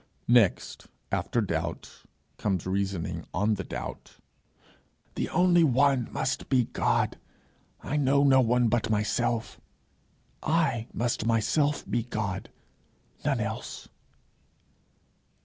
Next after doubt comes reasoning on the doubt: 'The only one must be God! I know no one but myself: I must myself be God none else!'